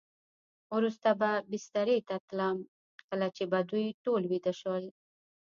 وروسته به بسترې ته تلم، کله چې به دوی ټول ویده شول.